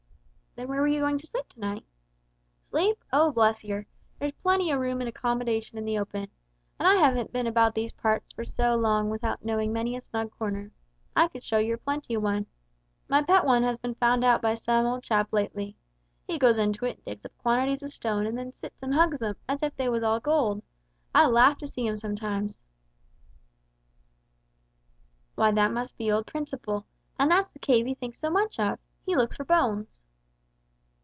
"Then where were you going to sleep to night?" "Sleep? Oh, bless yer there's plenty o' room and accommodation in the open. And I haven't been about these parts for so long without knowing many a snug corner. I could show yer plenty a one. My pet one has been found out by some old chap lately. He goes into it and digs up quantities o' stones and then sits and hugs them, all as if they was gold! I laugh to see him sometimes!" "Why that must be old Principle, and that's the cave he thinks so much of! He looks for bones."